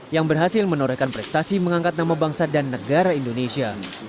yang berhasil menorehkan prestasi mengangkat nama bangsa dan negara indonesia